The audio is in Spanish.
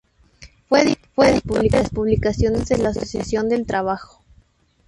Fue editor de las publicaciones de la Asociación del Trabajo.